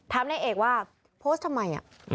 นายเอกว่าโพสต์ทำไม